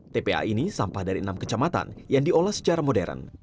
tpa ini sampah dari enam kecamatan yang diolah secara modern